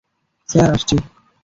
Sir, আসছি।